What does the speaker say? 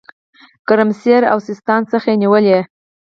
ګرمسېر او سیستان څخه نیولې.